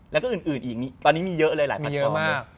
แล้วก็อื่นตอนนี้มีเยอะเลยหลายแพลตฟอร์ม